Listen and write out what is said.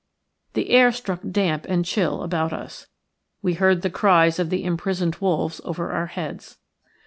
The air struck damp and chill about us. We heard the cries of the imprisoned wolves over our heads.